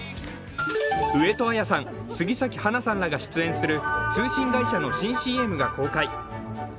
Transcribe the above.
上戸彩さん、杉咲花さんらが出演する通信会社の新ＣＭが公開。